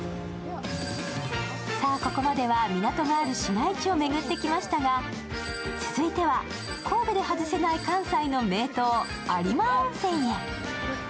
さあ、ここまでは港がある市街地を巡ってきましたが、続いては、神戸で外せない関西の名湯、有馬温泉へ。